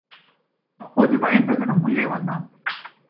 அப்போது வயந்தகனும் உள்ளே வந்தான்.